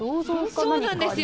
そうなんですよ。